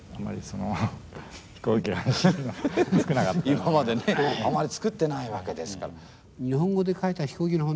今までねあまりつくってないわけですから。